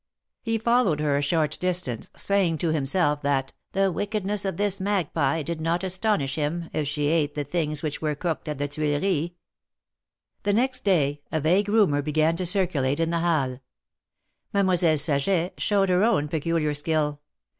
He followed her a short distance, saying to himself that the wickedness of this magpie did not astonish him, if she ate the things which were cooked at the Tuileries." The next day a vague rumor began to circulate in the Halles. Mademoiselle Saget showed her own peculiar skill.